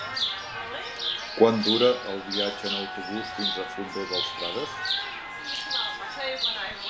Quant dura el viatge en autobús fins al Fondó dels Frares?